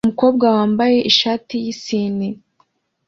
Umukobwa wambaye ishati yisine